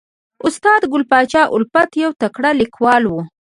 استاد ګل پاچا الفت یو تکړه لیکوال و